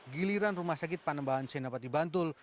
giliran rumah sakit panambahan senapati bantul